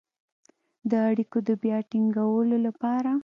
د اړیکو د بيا ټينګولو لپاره